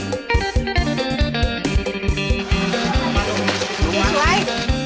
สวย